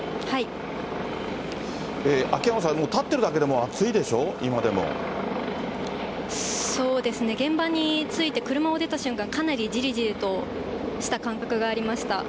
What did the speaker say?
秋山さん、立ってるだけでも暑いでしょ、そうですね、現場に着いて、車を出た瞬間、かなりじりじりとした感覚がありました。